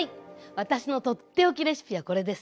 私のとっておきレシピはこれです。